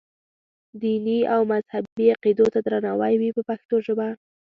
دیني او مذهبي عقیدو ته درناوی وي په پښتو ژبه.